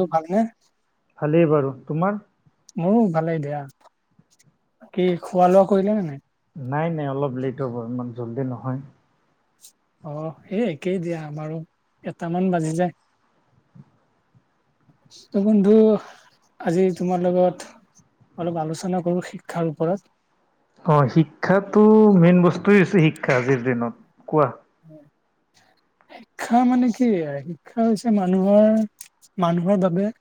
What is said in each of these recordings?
তুৰ ভাল নে? ভালেই বাৰু। তোমাৰ- মোৰো ভালেই দিয়া। বাকী' কি খোৱা লোৱা কৰিলে নে নাই? নাই নাই অলপ লেট হ'ব ইমান জল্দি নহয়। অহ', এই একেই দিয়া বাৰু এটামান বাজি যায়। ত' বন্ধু আজি তোমাৰ লগত- অলপ আলোচনা কৰো শিক্ষাৰ ওপৰত। অঁহ', - শিক্ষাতো মেইন বস্তুৱে হৈছে শিক্ষা আজিৰ দিনত। কোৱা? [unintelligible] শিক্ষা মানে কি শিক্ষা হৈছে মানুহৰ, মানুহৰ বাবে-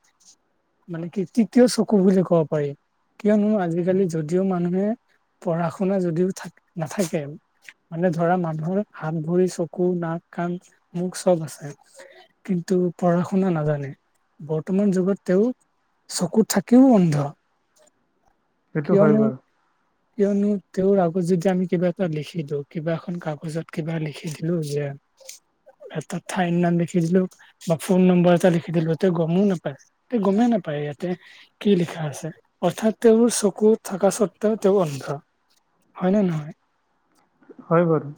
মানে তৃতীয় চকু বুলি ক'ব পাৰি। কিয়নো আজিকালি যদিও মানুহে পঢ়া শুনা যদিও নাথাকে- মানে ধৰা মানুহৰ হাত, ভৰি, চকু, নাক, কাণ, মুখ চব আছে। কিন্তু পঢ়া শুনা নাথাকে। বৰ্তমান যুগত তেওঁ চকুত থাকিও অন্ধ। সেইটো হয় কিয়নো বাৰু কিয়নো তেওঁৰ আগত যদি আমি কিবা এটা লিখি দিওঁ কিবা এখন কাগজত কিবা লিখি দিলেও সেয়া- এটা ঠাইৰ নাম লিখি দিলোঁ বা ফোন নম্বৰ এটা লিখি দিলোঁ, ইহঁতে গমও নেপায়। এতে গমে নাপায়, ইয়াতে- কি লিখা আছে। অৰ্থাৎ তেওঁৰ চকুত থকা স্বত্বেও তেওঁ অন্ধ। হয় নে নহয়? হয় বাৰু।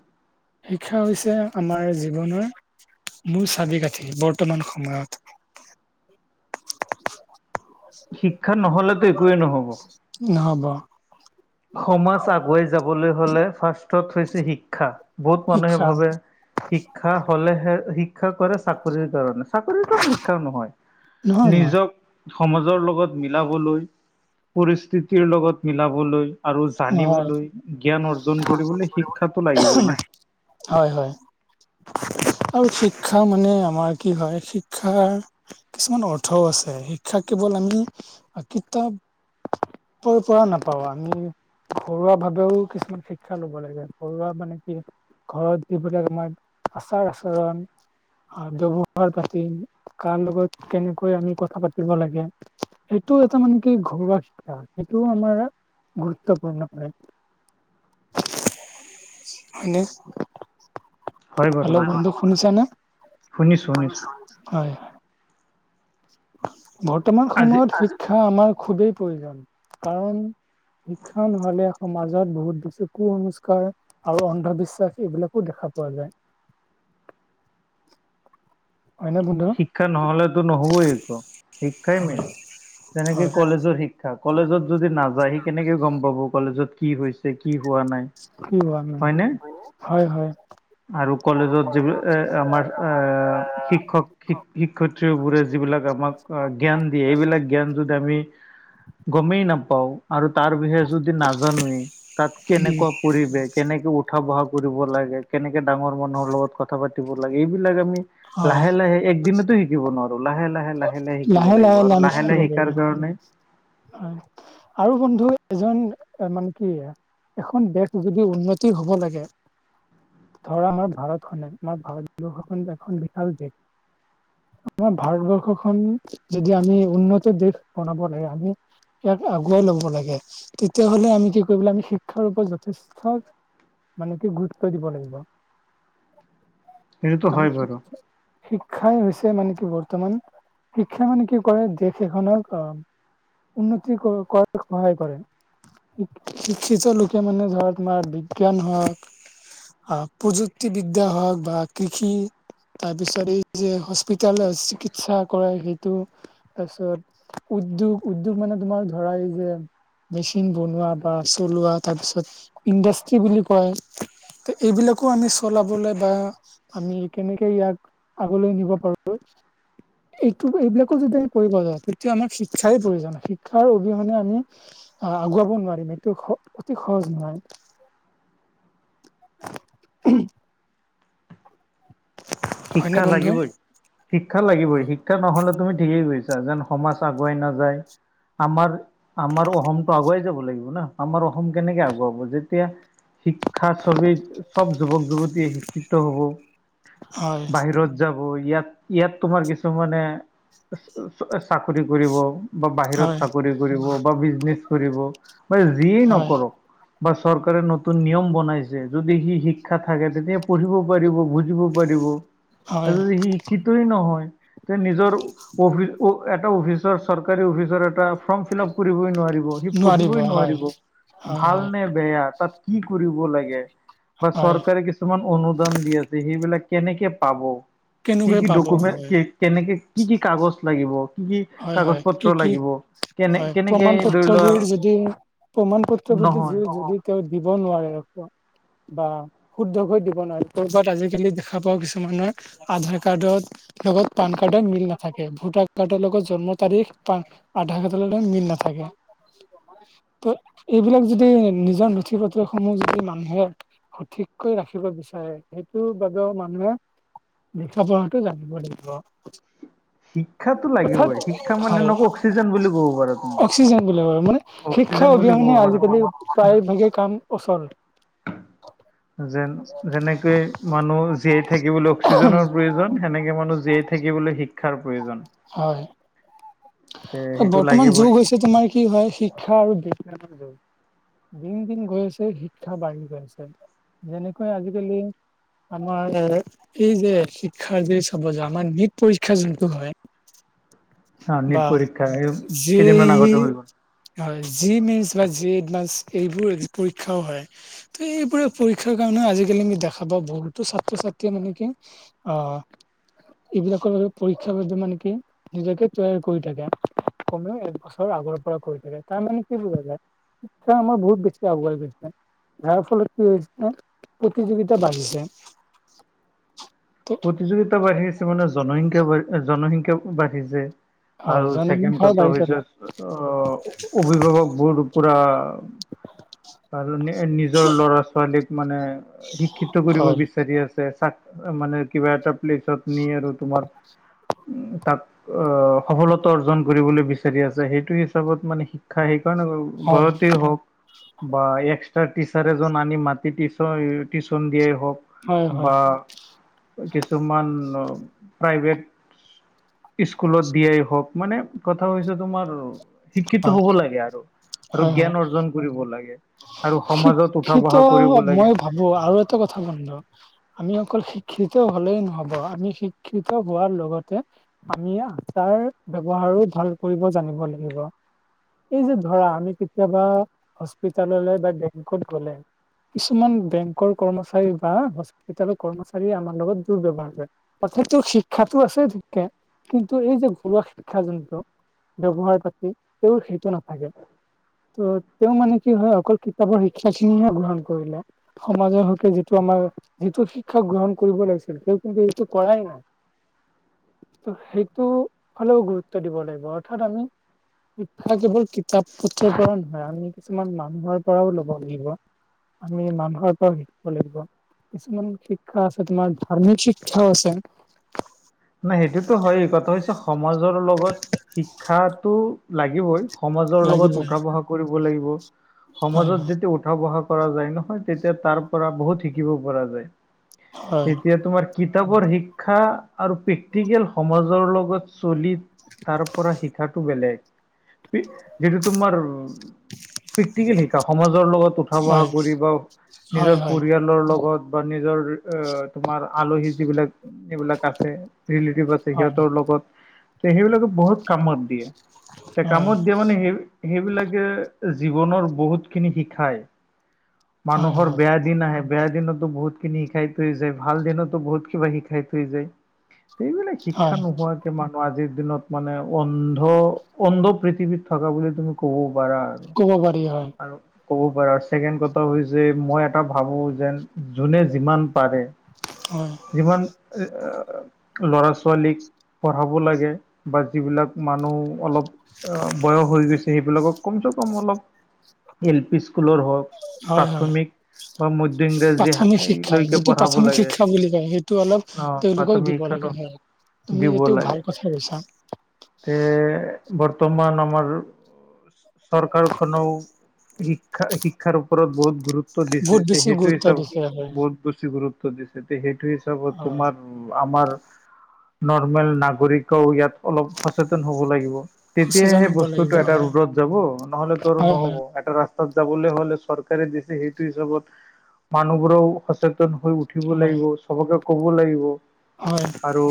শিক্ষা হৈছে আমাৰ জীৱনৰ- মূল চাবি-কাঠি বৰ্তমান সময়ত। শিক্ষা নহ'লেতো একোৱেই নহ'ব। নহ'ব। সমাজ আগুৱাই যাবলৈ হ'লে ফাৰ্ষ্টত হৈছে শিক্ষা। বহুত মানুহে শিক্ষা ভাবে- শিক্ষা হ'লেহে শিক্ষা কৰে চাকৰিৰ কাৰণে, চাকৰিৰ কাৰণে শিক্ষা নহয়। নহয়-নহয়। নিজক সমাজৰ লগত মিলাবলৈ, পৰিস্থিতিৰ লগত মিলাবলৈ। আৰু নহয় জানিবলৈ, জ্ঞান অৰ্জন কৰিবলৈ শিক্ষাটো লাগিবই না। নহয় হয় হয়। আৰু শিক্ষা মানে আমাৰ কি হয়, শিক্ষাৰ কিছুমান অৰ্থও আছে, শিক্ষা কেৱল আমি আ কিতাপৰ পৰা‌ নাপাওঁ আমি ঘৰুৱা ভাৱেও কিছুমান শিক্ষা ল'ব লাগে। ঘৰুৱা মানে কি? ঘৰত যিবিলাক আমাৰ আচাৰ-আচৰণ, হয় ব্যৱহাৰ পাতি কাৰ লগত‌ কেনেকৈ আমি কথা পাতিব লাগে সেইটো এটা মানে কি ঘৰুৱা শিক্ষা সেইটো আমাৰ গুৰুত্বপূৰ্ণ হয়, হয় নে? হয় বাৰু হেল্ল' কথাটো বন্ধু শুনিছানে? শুনিছো শুনিছো হয়। বৰ্তমান আজি সময়ত শিক্ষা আমাৰ খুবেই প্ৰয়োজন কাৰণ শিক্ষা নহ'লে সমাজত বহুত বেছি কুসংস্কাৰ আৰু অন্ধবিশ্বাস এইবিলাকো দেখা পোৱা যায়। হয়নে বন্ধু? শিক্ষা নহলেতো নহবই একো, শিক্ষাই হয়, মেইন। যেনেকে হয়, কলেজৰ শিক্ষ ক্ষা। কলেজত যদি নাযায় সি কেনেকে গম পাব‌ কলেজত কি হৈছে কি হোৱা নাই? হয়নে [unintelligible] হয় হয়। আৰু কলেজত যিবিল, এ আমাৰ এ শিক্ষক শিক শিক্ষয়িত্ৰীবোৰে যিবিলাক আমাক আ' জ্ঞান দিয়ে, এইবিলাক জ্ঞান যদি আমি গমেই নাপাওঁ আৰু তাৰ বিষয়ে যদি নাজানোৱেই, তাত উম, কেনেকুৱা পৰিবেশ, কেনেকে উঠা-বহা কৰিব লাগে? কেনেকে ডাঙৰ মানুহৰ লগত কথা পাত তিব লাগে। এইবিলাক আমি হয়, লাহে লাহে, একদিনতো শিকিব নোৱাৰোঁ। লাহে - লাহে লা লাহে লাহে আমি শিকিব পাৰিম হয় কাৰণে হয়। আৰু বন্ধু এজন মানে কি এ এখন দেশ যদি উন্নতি হ'ব লাগে ধৰা আমাৰ ভাৰতখনে, আমাৰ ভাৰত [unintelligible] এখন বিশাল দেশ। আমাৰ ভাৰতবৰ্ষখন যদি আমি উন্নত দেশ বনাব লাগে আমি ইহঁতে আগুৱাই ল'ব লাগে। তেতিয়াহলে আমি কি কৰিব লাগিব? আমি শিক্ষাৰ ওপৰত যথেষ্ট মানে কি? গুৰুত্ব দিব লাগিব। সেইটোতো হয় আমি বাৰু [unintelligible] শিক্ষাই হৈছে মানে কি বৰ্তমান শিক্ষা মানে কি কৰে? দেশ এখনক অ' উন্নতি কৰ‌, কৰাত‌ সহায় কৰে। শিক -শিক্ষিত লোকে মানে ধৰক তোমাৰ বিজ্ঞান হওক হ, প্ৰযুক্তিবিদ্যা হওক বা কৃষি তাৰপিছত এই যে হস্পিতালত চিকিৎসা কৰাই সেইটো তাৰপিছত উদ্যোগ- উদ্যোগ মানে তোমাৰ ধৰা এই যে মেচিন বনোৱা বা চলোৱা তাৰ পিছত ইণ্ডাষ্ট্ৰি বুলি কয়। ত এইবিলাকো আমি চলাবলৈ বা আমি কেনেকে ইয়াক, আগলৈ নিব পাৰো। এইটো এইবিলাকো যদি আমি কৰিব যাওঁ তেতিয়া আমাক শিক্ষাই প্ৰয়োজন হয়, শিক্ষাৰ অবিহনে আমি আহ আগুৱাব নোৱাৰিম এইটো হ অতি সহজ নহয়। উহু। হয়নে শিক্ষা বন্ধু লাগিবই, শিক্ষা লাগিবই শিক শিক্ষা নহলে তুমি ঠিকেই কৈছা যেন সমাজ আগুৱাই নাযায়। আমাৰ, আমাৰ অসমটো আগুৱাই যাব লাগিব না, আমাৰ অসম কেনেকে আগুৱাব যেতিয়া শিক্ষা ছবেই, চব যুৱক-যুৱতীয়ে শিক্ষিত হ'ব। হয়। বাহিৰত যাব ইয়াত, ইয়াত তোমাৰ কিছুমানে চা চাকৰি কৰিব। বা বাহিৰত হয় চাকৰি কৰিব বা বিজনেচ কৰিব, বা যিয়ে হয় নকৰক। বা চৰকাৰে নতুন নিয়ম বনাইছে যদি সি শিক্ষা থাকে তেতিয়া পঢ়িব পাৰিব বুজিব পাৰিব। হয় আৰু যদি সি শিক্ষিতই নহয় ত' নিজৰ অ অফি অ এটা অফিচৰ চৰকাৰী অফিচৰ এটা ফৰ্ম ফিলাপ কৰিবই নোৱা ৰিব সি পঢ়িবই নোৱাৰিব হয় ভাল হয় নে বেয়া তাত কি কৰিব লাগে, বা হয় চৰকাৰে কি ছুমান অনুদান দি আছে সেইবিলাক কেনেকে পাব, কি কেনেকৈ কি পাব হয় ডকুমেণ্ট কে কেনেকে কি কি কাগজ লাগিব। কি হয় কাগজ হয় কি পত্ৰ কি লাগিব, কেনে হয় কেনেকে প্ৰমাণ ধৰি লোৱা পত্ৰবোৰ যদি প্ৰমাণ পত্ৰবোৰ নহয় [unintelligible] যদি তেওঁ দিব নোৱাৰে, বা শুদ্ধকৈ দিব নোৱাৰে, ক'বাত আজিকালি দেখা পাও কিছুমানৰ আধাৰ কাৰ্ডৰ লগত পান কাৰ্ডৰ মিল নাথাকে, ভোটাৰ কাৰ্ডৰ লগত জন্ম তাৰিখ বা আধাৰ কাৰ্ডৰ লগত মিল নথাকে। ত এইবিলাক যদি নিজৰ নথি-পত্ৰ সমূহ যদি মানুহে সঠিককৈ ৰাখিব বিচাৰে, সেইটোৰ বাবেও মানুহে লিখা পঢ়াটো জানিব লাগিব। শিক্ষাটো অৰ্থাৎ লাগিবই শিক্ষা মানে হয় এনেকুৱা অক্সিজেন বুলি ক'ব পাৰা তুমি। [unintelligible] মানে শিক্ষা অক্সিজেন বুলি ক'ব অবিহনে পাৰা আজিকালি মানুহ প্ৰায় ভাগে কাম ওচৰত। যেন, যেনেকে মানুহ জীয়াই থাকিবলৈ অক্সিজেনৰ প্ৰয়োজন, সেনেকে মানুহ জীয়াই থাকিবলৈ শিক্ষাৰ প্ৰয়োজন। হয়। তে সেইটো বৰ্তমান যুগ লাগিবই হৈছে তোমাৰ কি হয় শিক্ষা আৰু [inaudible] দিন দিন গৈ আছে শিক্ষা বাঢ়ি গৈ আছে, যেনেকৈ আজিকালি আমাৰ এই যে আমাৰ নিট পৰীক্ষা যোনটো হয়। অ নিট বা পৰীক্ষা এই যি কেইদিনমান আগতে হৈ গ'ল হয়, যি মেথচ বা যি এডভান্স এইবোৰ পৰীক্ষাও হয়। ত' এইবোৰে পৰীক্ষাৰ কাৰণে আজিকালি আমি দেখা পাওঁ বহুতো ছাত্ৰ-ছাত্ৰীয়ে মানে কি হয় আহ, এইবিলাকৰ বাবে পৰীক্ষাৰ বাবে মানে কি নিজকে তৈয়াৰ কৰি থাকে, কমেও একবছৰ আগৰ পৰা কৰি থাকে, তাৰ মানে কি বুজা যায়। ত' আমাৰ বহুত বেছি আগুৱাই গৈছে। যাৰ ফলত কি হৈছে, প্ৰতিযোগিতা বাঢ়িছে। প্ৰতিযোগিতা বাঢ়ি আছে মানে জনসংখ্যা বাঢ় জনসংখ্যা বাঢ়িছে। হয় আৰু ছেকেণ্ড জনসংখ্যা কথা বাঢ়িছে হৈছে, লোক আ অভিভাৱকবোৰ পৰা আৰু নে নিজৰ ল'ৰা ছোৱালীক মানে শিক্ষিত কৰিব হয় বিচাৰি আছে, চাক মানে কিবা এটা প্লেচত। নিয়ে আৰু তোমাক তাত অ' সফলতা অৰ্জন কৰিবলৈ বিচাৰি আছে সেইটো হিচাপত মানে শিক্ষা সেইকাৰণে হয় ঘৰতে হওক, বা এক্সট্ৰা টিচাৰ এজন আনি মাতি টিচ টিউচন দিয়াই হওক। হয় হয়। বা কিছুমান প্ৰাইভেট স্কুলত দিয়াই হওক মানে কথা হৈছে তোমাৰ শিক্ষিত হ'ব লাগে আৰু আৰু হয় হয় জ্ঞান অৰ্জন কৰিব লাগে। আৰু সমাজত উঠা শিক্ষিত বহা কৰিব লাগে। মই ভাবো আৰু এটা কথা বন্ধ। আমি অকল শিক্ষিত হলেই নহব আমি শিক্ষিত হোৱাৰ লগতে। আমি তাৰ ব্যৱহাৰো ভাল কৰিব জানিব লাগিব। এই যে ধৰা আমি কেতিয়াবা হস্পিতাললৈ বা বেংকত গলে। কিছুমান বেংকৰ কৰ্মচাৰী বা হস্পিতেলৰ কৰ্মচাৰীয়ে আমাৰ লগত দুব্যৱহাৰ কৰে। প্ৰত্যেকটো শিক্ষাতটো আছে ঠিককে কিন্তু এই যে ঘৰুৱা শিক্ষা যন্ত্ৰ। ব্যৱহাৰ পাতি তেওঁৰ সেইটো নাথাকে। ত তেওঁ মানে কি হয় অকল কিতাপৰ শিক্ষাখিনিহে গ্ৰহণ কৰিলে। সমাজৰ হকে যিটো আমাৰ। যিটো শিক্ষা গ্ৰহণ কৰিব লাগিছিল তেওঁ কিন্তু এইটো কৰাই নাই। ত সেইটো হলেও গুৰুত্ব দিব লাগিব অথাত আমি। শিক্ষা কেৱল কিতাপ পত্ৰৰ পৰা নহয় আমি কিছুমান মানুহৰ পৰাও ল'ব লাগিব। আমি মানুহৰ পৰাও শিকিব লাগিব। কিছুমান শিক্ষা আছে তোমাৰ ধাৰ্মিক শিক্ষাও আছে। নাই সেইটোতো হয় কথা হৈছে সমাজৰ লগত শিক্ষাটো লাগিবই। সমাজৰ লগত লাগিবই উঠা বহা কৰিব লাগিব হয় সমাজত যেতিয়া উ। উঠা বহা কৰা যায় নহয় তেতিয়া তাৰ পৰা বহুত শিকিব পৰা যায় হয় এতিয়া তোমাৰ। কিতাপৰ শিক্ষা আৰু প্ৰেক্টিকেল সমাজৰ লগত। চলিত তাৰ পৰা শিকাটো বেলেগ যিটো তোমাৰ। প্ৰেক্টিকেল শিকা সমাজৰ লগত উঠা বহা হয় কৰিব। হয় নিজৰ হয় পৰিয়ালৰ লগত বা নিজৰ তোমাৰ আলহী যিবিলাক এইবিলাক আছে। ৰিলেতিভ আছে হয় সিহঁতৰ লগত তে সেইবিলাকে বহুত। কামত দিয়ে তে হয় কামত দিয়ে মানে সেই। সেইবিলাকে জীৱনৰ বহুত খিনি শিকাই হয় মানুহৰ হয় বেয়া। দিন আহে বেয়া দিনতো বহুত খিনি শিকাই থৈ যায় ভাল দিনতো বহুত কিবা শিকাই থৈ যায়। এইবিলাক শিক্ষা হয় নোহোৱাত। মানুহ আজিৰ দিনত মানে অন্ধ অন্ধ পৃথিৱীত থকা বুলি তুমি। কব পাৰা আৰু ক'ব পাৰি হয় আৰু। ক'ব পাৰা ছেকেণ্ড কথা হৈছে মই এটা ভাবো যেন যোনে যিমান পাৰে। অ যিমান এ। ল'ৰা ছোৱালীক পঢ়াব লাগে বা যিবিলাক মানুহ অলপ। অ বয়স হৈ গৈছে সেইবিলাকক কমচে কম অলপ এল পি স্কুলৰ হওক। হয় হয়। প্ৰাথমিক বা মধ্য ইংৰাজী প্ৰাথমিক শিক্ষা লৈকে যিটো পঢ়াব প্ৰাথমিক লাগে শিক্ষা বুলি কয় সেইটো অলপ অ তেওঁলোকক প্ৰাথমিক দিব। দিব শিক্ষাটো লাগে হয়, তুমি দিব এইটো লাগে ভাল কথা কৈছা। তে বৰ্তমান আমাৰ চৰকাৰখনও। শিক্ষা শিক্ষাৰ ওপৰত বহুত গুৰুত্ব দিছে বহুত তে বেছি সেইটোৱে গুৰুত্ব চব দিছে হয়। বহুত বেছি গুৰুত্ব। দিছে সেইটো হিচাপত অ', তোমাৰ আমাৰ। নৰ্মেল নাগৰিকেও ইয়াত অলপ সচেতন হ'ব লাগিব। তেতিযা সচেতন সেই হ'ব লাগিব বস্তুটো এটা হয়, ৰোডত যাব নহলেতো আৰু হয়, হয়, নহ'ব। ৰাস্তাত যাবলৈ হলে চৰকাৰে দিছে সেইটো হিচাপত মানুহবোৰও সচেত। সচেতন হৈ উঠিব হয়, লাগিব চবকে কব লাগিব। হয়। আৰু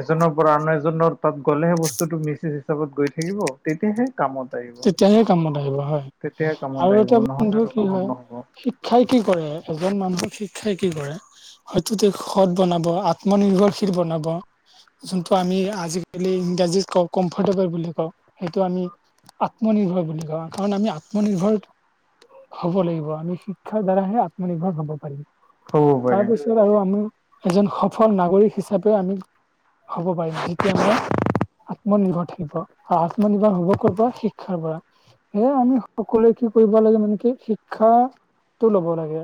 এজনৰ পৰা আন এজনৰ তাত গ'লেহে বস্তুতটো মিচজ। হিচাপত গৈ থাকিব তেতিয়াহে কামত আহিব। তেতিয়াহে কামত আহিব হয় তেতিয়াহে কামত আৰু আহিব এতিয়া নহ'লে বন্ধু আৰু কি কামত হয় নহ'ব শিক্ষাই কি কৰে এজন মানুহক শিক্ষাই কি কৰে। হয়তো তেওঁক সৎ বনাব আত্মনিৰ্ভৰশীল বনাব। যোনটো আমি আজিকালি ইংৰাজীত কওঁ কমফৰ্টেবল বুলি কওঁ সেইটো আমি। আত্মনিৰ্ভৰ বুলি কওঁ কাৰণ আমি আত্মনিৰ্ভৰ হব লাগিব আমি শিক্ষাৰ দ্বাৰাহে আত্মনিৰ্ভৰ হব পাৰিম হ'ব পাৰিম তাৰপিছত আৰু আমি এজন সফল নাগৰিক হিচাপেও আমি হ'ব পাৰিম যেতিয়া মানে আমাৰ আত্মনিৰ্ভৰ থাকিব আৰু আত্মনিৰ্ভৰ হব কৰ পৰা শিক্ষা শিক্ষাৰ পৰা সেয়ে আমি সকলোৱে কি কৰিব লাগে মানে কি শিক্ষা ল'ব লাগে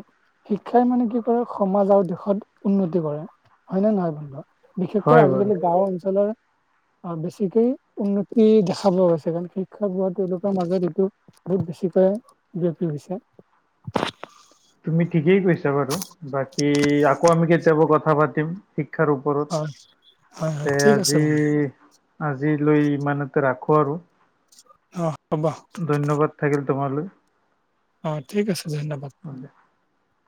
শিক্ষাই মানে কি কৰে সমাজ আৰু দেশত উন্নতি কৰে হয়নে নহয় বন্ধু বিশেষকৈ হয় বাৰু। আজিকালি গাঁও অঞ্চলৰ আহ বেছিকে উন্নতি দেখা পোৱা গৈছে কাৰণ কি শিক্ষা হোৱা তেওঁলোকৰ মাজত এইটো বহুত বেছিকে বিয়পি হৈছে তুমি ঠিকেই কৈছা বাৰু বাকী আকৌ আমি কেতিয়াবা কথা পাতিম শিক্ষাৰ ও - ওপৰত হয় হয় হয় তে ঠিক আছে আজি বন্ধু আজিলৈ ইমানতে ৰাখো আৰু অ' হ'ব ধন্যবাদ থাকিল তোমালৈ অ ঠিক আছে ধন্যবাদ হয়- [inaudible]